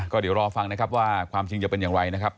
ก็เดี๋ยวรอฟังนะครับว่าความจริงจะเป็นอย่างไรนะครับ